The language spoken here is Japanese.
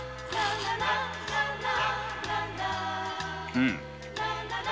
うん。